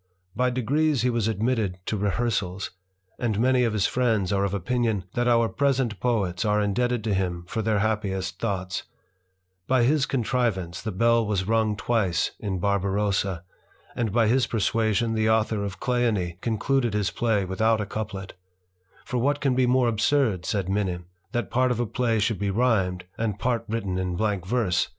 By degrees he was admitted to rehearsals; and many of his friends are of opinion, that our present poets are indebted to him for their happiest thoughts : by his contrivance the bell was wrung twice in Barbarossa, and by his persuasion the author of Cleone concluded his play without a couplet; for what can be more absurd, said Minim, than that part of a play should be ryhmed, and part written in blank verse